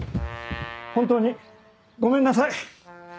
本当にごめんなさい！